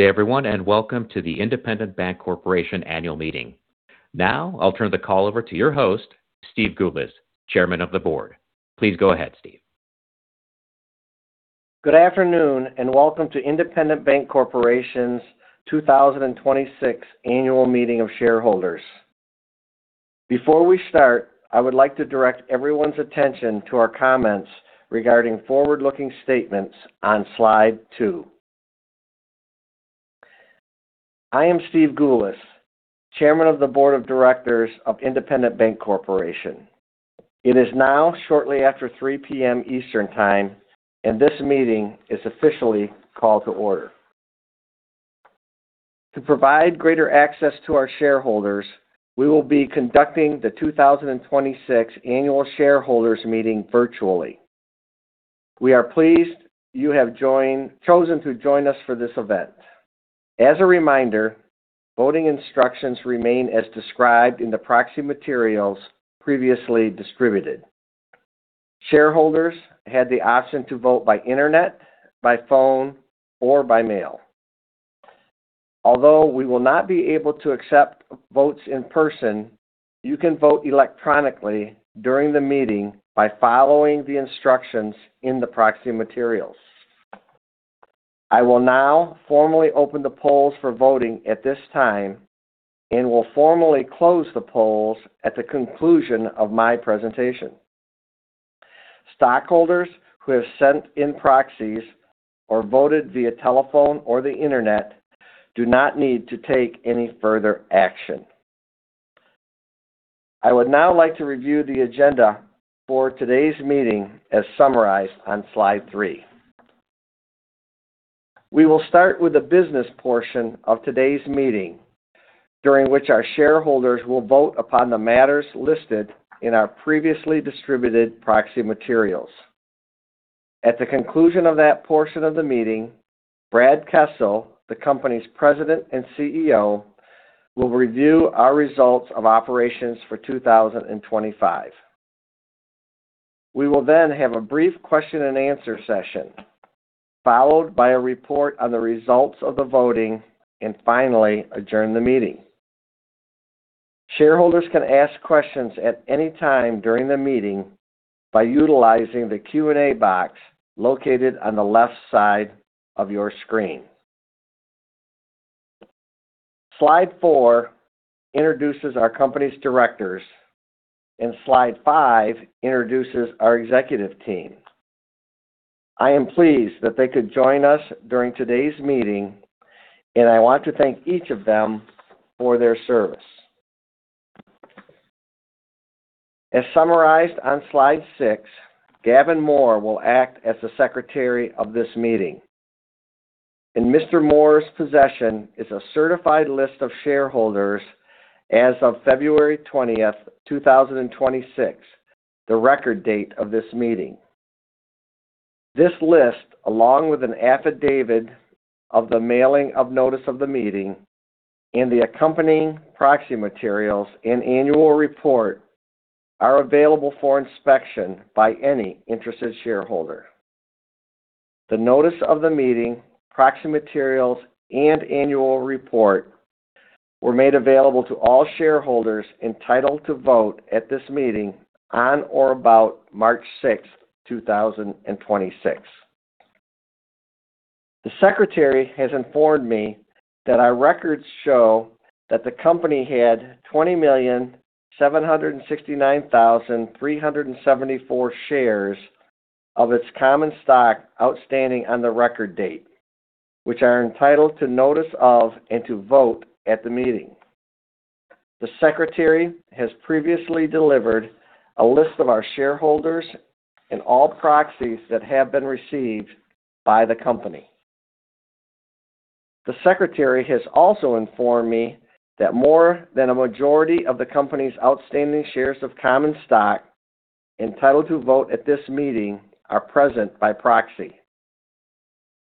Good day everyone, and welcome to the Independent Bank Corporation annual meeting. Now, I'll turn the call over to your host, Steve Gulis, Chairman of the Board. Please go ahead, Steve. Good afternoon, and welcome to Independent Bank Corporation's 2026 annual meeting of shareholders. Before we start, I would like to direct everyone's attention to our comments regarding forward-looking statements on slide two. I am Steve Gulis, Chairman of the Board of Directors of Independent Bank Corporation. It is now shortly after 3:00 P.M. Eastern time, and this meeting is officially called to order. To provide greater access to our shareholders, we will be conducting the 2026 annual shareholders meeting virtually. We are pleased you have chosen to join us for this event. As a reminder, voting instructions remain as described in the proxy materials previously distributed. Shareholders had the option to vote by internet, by phone, or by mail. Although we will not be able to accept votes in person, you can vote electronically during the meeting by following the instructions in the proxy materials. I will now formally open the polls for voting at this time and will formally close the polls at the conclusion of my presentation. Stockholders who have sent in proxies or voted via telephone or the internet do not need to take any further action. I would now like to review the agenda for today's meeting as summarized on slide three. We will start with the business portion of today's meeting, during which our shareholders will vote upon the matters listed in our previously distributed proxy materials. At the conclusion of that portion of the meeting, Brad Kessel, the company's President and CEO, will review our results of operations for 2025. We will then have a brief question and answer session, followed by a report on the results of the voting, and finally adjourn the meeting. Shareholders can ask questions at any time during the meeting by utilizing the Q and A box located on the left side of your screen. Slide four introduces our company's directors, and slide five introduces our executive team. I am pleased that they could join us during today's meeting, and I want to thank each of them for their service. As summarized on slide six, Gavin Mohr will act as the secretary of this meeting. In Mr. Mohr's possession is a certified list of shareholders as of February 20th, 2026, the record date of this meeting. This list, along with an affidavit of the mailing of notice of the meeting and the accompanying proxy materials and annual report, are available for inspection by any interested shareholder. The notice of the meeting, proxy materials, and annual report were made available to all shareholders entitled to vote at this meeting on or about March 6th, 2026. The secretary has informed me that our records show that the company had 20,769,374 shares of its common stock outstanding on the record date, which are entitled to notice of and to vote at the meeting. The secretary has previously delivered a list of our shareholders and all proxies that have been received by the company. The secretary has also informed me that more than a majority of the company's outstanding shares of common stock entitled to vote at this meeting are present by proxy.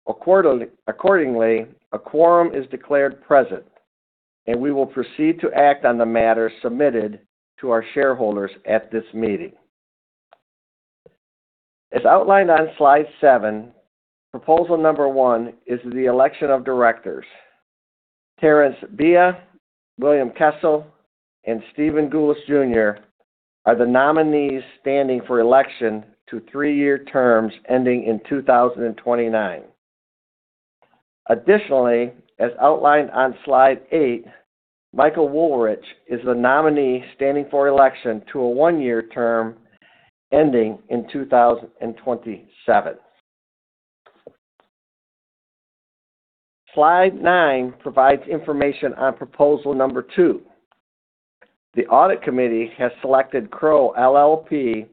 Accordingly, a quorum is declared present, and we will proceed to act on the matters submitted to our shareholders at this meeting. As outlined on slide seven, proposal number one is the election of directors. Terance Beia, William Kessel, and Stephen Gulis, Jr. are the nominees standing for election to three-year terms ending in 2029. Additionally, as outlined on slide eight, Michael Wooldridge is the nominee standing for election to a one-year term ending in 2027. Slide nine provides information on proposal number two. The audit committee has selected Crowe LLP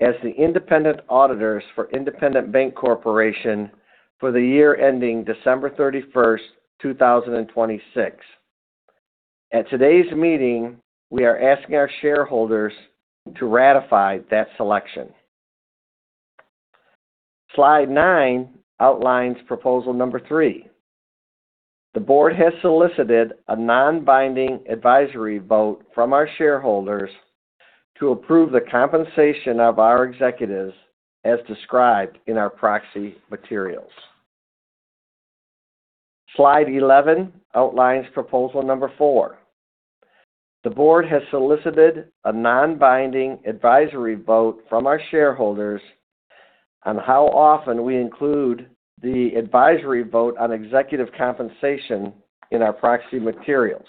as the independent auditors for Independent Bank Corporation for the year ending December 31, 2026. At today's meeting, we are asking our shareholders to ratify that selection. Slide nine outlines proposal number three. The board has solicited a non-binding advisory vote from our shareholders to approve the compensation of our executives as described in our proxy materials. Slide 11 outlines proposal number four. The board has solicited a non-binding advisory vote from our shareholders on how often we include the advisory vote on executive compensation in our proxy materials.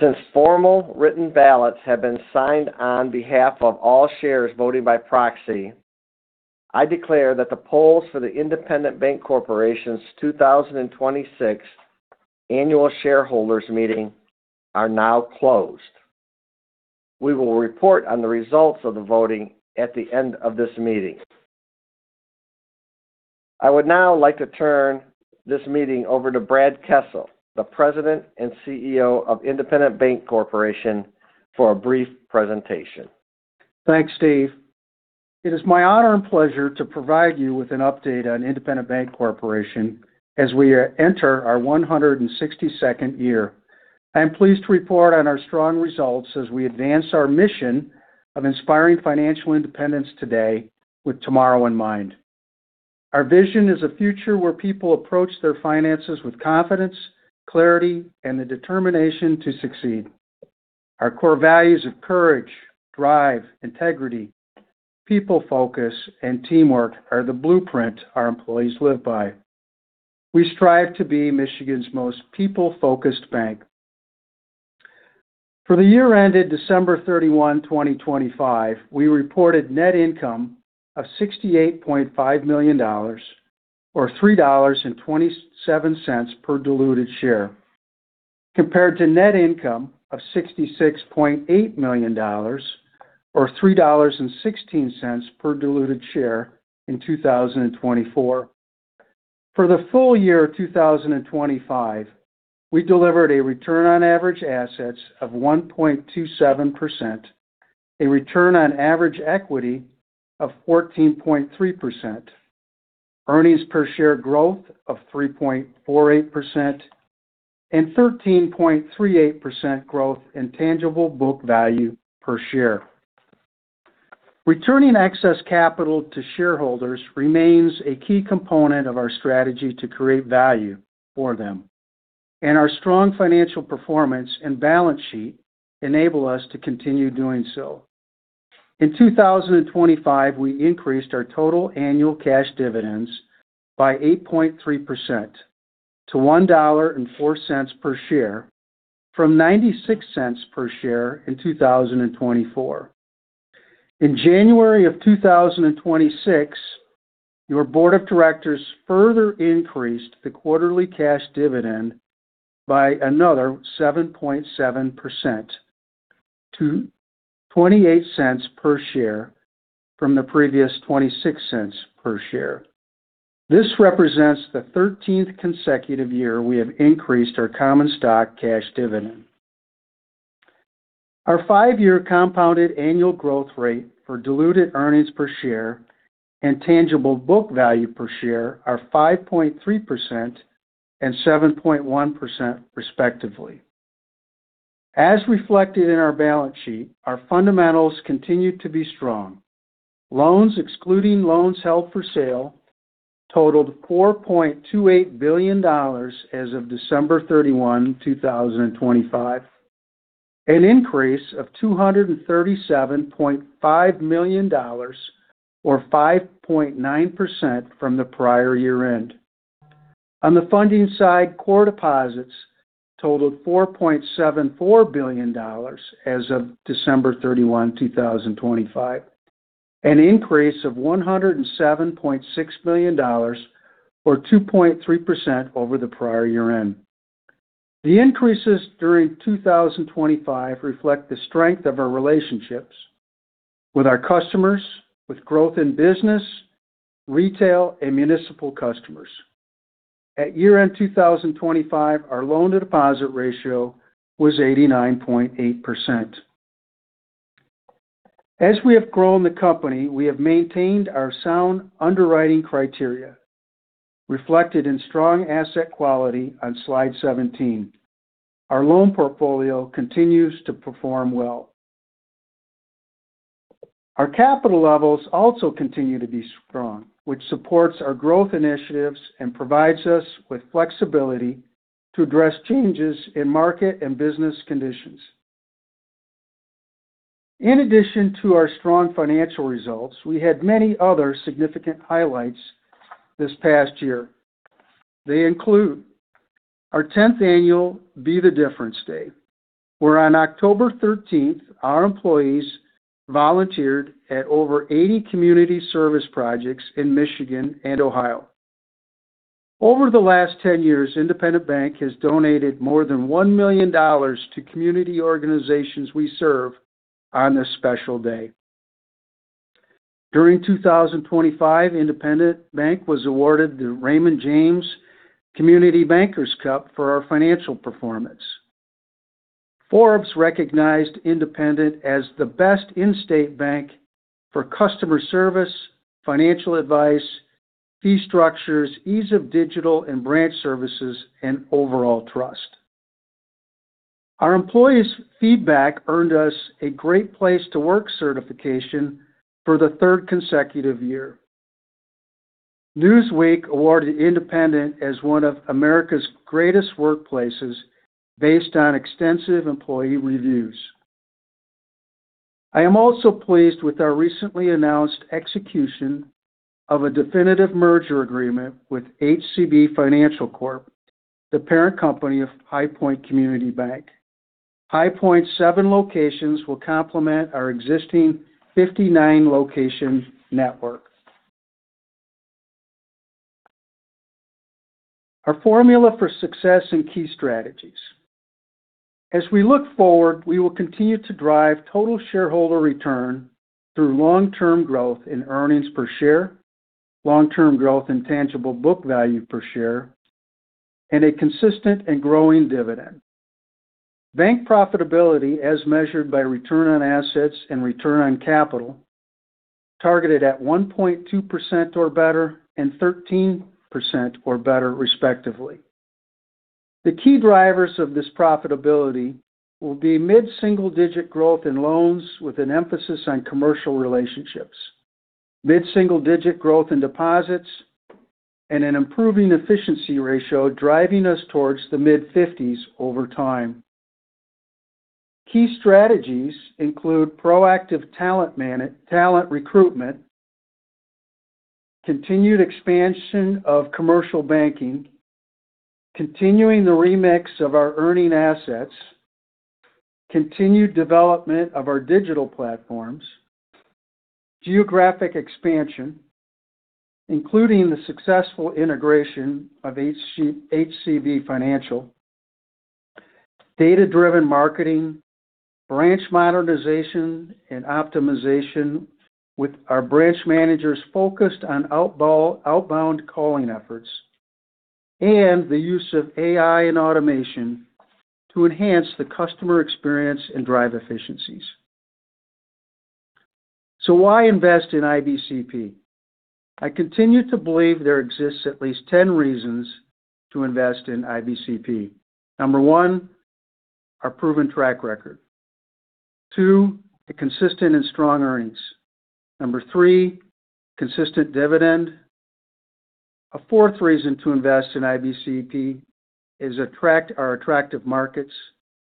Since formal written ballots have been signed on behalf of all shares voting by proxy, I declare that the polls for the Independent Bank Corporation's 2026 annual shareholders meeting are now closed. We will report on the results of the voting at the end of this meeting. I would now like to turn this meeting over to Brad Kessel, the President and CEO of Independent Bank Corporation, for a brief presentation. Thanks, Steve. It is my honor and pleasure to provide you with an update on Independent Bank Corporation as we enter our 162nd year. I am pleased to report on our strong results as we advance our mission of inspiring financial independence today with tomorrow in mind. Our vision is a future where people approach their finances with confidence, clarity, and the determination to succeed. Our core values of courage, drive, integrity, people focus, and teamwork are the blueprint our employees live by. We strive to be Michigan's most people-focused bank. For the year ended December 31, 2025, we reported net income of $68.5 million, or $3.27 per diluted share, compared to net income of $66.8 million, or $3.16 per diluted share in 2024. For the full year 2025, we delivered a return on average assets of 1.27%, a return on average equity of 14.3%, earnings per share growth of 3.48%, and 13.38% growth in tangible book value per share. Returning excess capital to shareholders remains a key component of our strategy to create value for them. Our strong financial performance and balance sheet enable us to continue doing so. In 2025, we increased our total annual cash dividends by 8.3% to $1.04 per share from $0.96 per share in 2024. In January of 2026, your board of directors further increased the quarterly cash dividend by another 7.7% to $0.28 per share from the previous $0.26 per share. This represents the 13th consecutive year we have increased our common stock cash dividend. Our five-year compounded annual growth rate for diluted earnings per share and tangible book value per share are 5.3% and 7.1%, respectively. As reflected in our balance sheet, our fundamentals continued to be strong. Loans, excluding loans held for sale, totaled $4.28 billion as of December 31, 2025, an increase of $237.5 million, or 5.9% from the prior year end. On the funding side, core deposits totaled $4.74 billion as of December 31, 2025, an increase of $107.6 million, or 2.3% over the prior year end. The increases during 2025 reflect the strength of our relationships with our customers, with growth in business, retail, and municipal customers. At year-end 2025, our loan-to-deposit ratio was 89.8%. As we have grown the company, we have maintained our sound underwriting criteria reflected in strong asset quality on slide 17. Our loan portfolio continues to perform well. Our capital levels also continue to be strong, which supports our growth initiatives and provides us with flexibility to address changes in market and business conditions. In addition to our strong financial results, we had many other significant highlights this past year. They include our 10th annual Be The Difference Day, where on October 13th, our employees volunteered at over 80 community service projects in Michigan and Ohio. Over the last 10 years, Independent Bank has donated more than $1 million to community organizations we serve on this special day. During 2025, Independent Bank was awarded the Raymond James Community Bankers Cup for our financial performance. Forbes recognized Independent as the best in-state bank for customer service, financial advice, fee structures, ease of digital and branch services, and overall trust. Our employees' feedback earned us a Great Place to Work certification for the third consecutive year. Newsweek awarded Independent as one of America's greatest workplaces based on extensive employee reviews. I am also pleased with our recently announced execution of a definitive merger agreement with HCB Financial Corp, the parent company of Highpoint Community Bank. Highpoint's seven locations will complement our existing 59-location network. Our formula for success and key strategies. As we look forward, we will continue to drive total shareholder return through long-term growth in earnings per share, long-term growth in tangible book value per share, and a consistent and growing dividend. Bank profitability, as measured by return on assets and return on capital, targeted at 1.2% or better and 13% or better respectively. The key drivers of this profitability will be mid-single-digit growth in loans with an emphasis on commercial relationships, mid-single-digit growth in deposits, and an improving efficiency ratio driving us towards the mid-50s over time. Key strategies include proactive talent recruitment, continued expansion of commercial banking, continuing the remix of our earning assets, continued development of our digital platforms, geographic expansion, including the successful integration of HCB Financial, data-driven marketing, branch modernization and optimization with our branch managers focused on outbound calling efforts, and the use of AI and automation to enhance the customer experience and drive efficiencies. Why invest in IBCP? I continue to believe there exists at least 10 reasons to invest in IBCP. Number one, our proven track record. Two, the consistent and strong earnings. Number three, consistent dividend. A fourth reason to invest in IBCP is our attractive markets.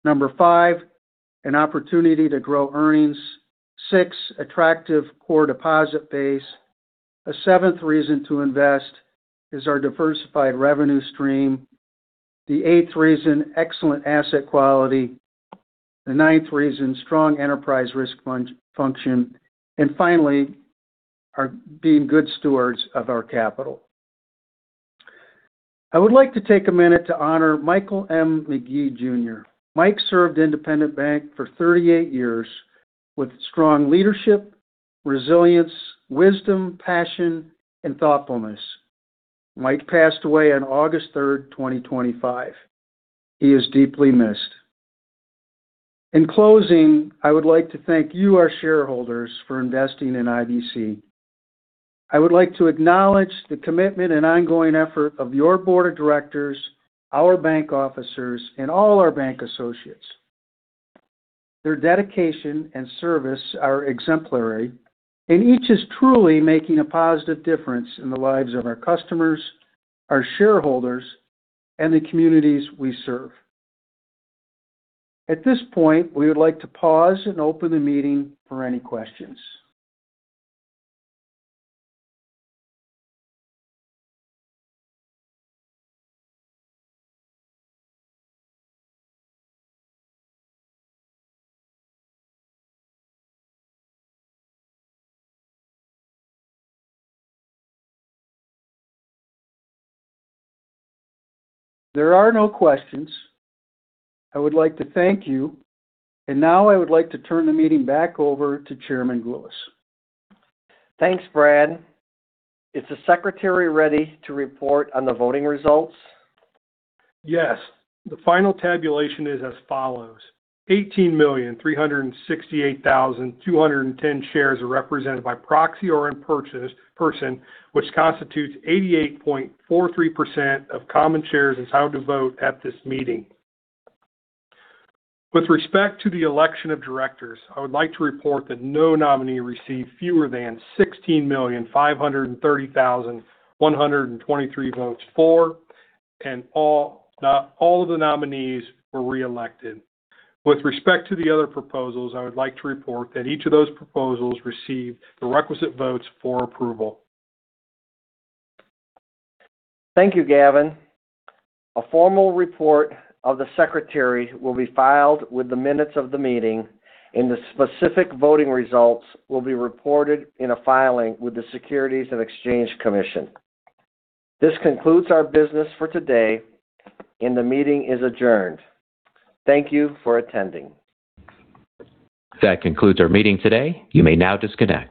Number five, an opportunity to grow earnings. Six, attractive core deposit base. A seventh reason to invest is our diversified revenue stream. The eighth reason, excellent asset quality. The ninth reason, strong enterprise risk function. Finally, our being good stewards of our capital. I would like to take a minute to honor Michael M. Magee, Junior. Mike served Independent Bank for 38 years with strong leadership, resilience, wisdom, passion, and thoughtfulness. Mike passed away on August 3rd, 2025. He is deeply missed. In closing, I would like to thank you, our shareholders, for investing in IBC. I would like to acknowledge the commitment and ongoing effort of your board of directors, our bank officers, and all our bank associates. Their dedication and service are exemplary, and each is truly making a positive difference in the lives of our customers, our shareholders, and the communities we serve. At this point, we would like to pause and open the meeting for any questions. There are no questions. I would like to thank you, and now I would like to turn the meeting back over to Chairman Gulis. Thanks, Brad. Is the secretary ready to report on the voting results? Yes. The final tabulation is as follows: 18,368,210 shares are represented by proxy or in person, which constitutes 88.43% of the outstanding common shares entitled to vote at this meeting. With respect to the election of directors, I would like to report that no nominee received fewer than 16,530,123 votes for, and all of the nominees were reelected. With respect to the other proposals, I would like to report that each of those proposals received the requisite votes for approval. Thank you, Gavin. A formal report of the secretary will be filed with the minutes of the meeting, and the specific voting results will be reported in a filing with the Securities and Exchange Commission. This concludes our business for today, and the meeting is adjourned. Thank you for attending. That concludes our meeting today. You may now disconnect.